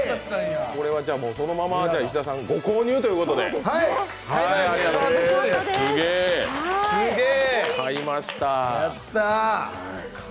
これはそのまま石田さん、ご購入ということで、すげぇ。